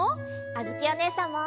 あづきおねえさんも！